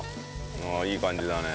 ああいい感じだね。